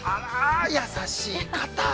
◆優しい方。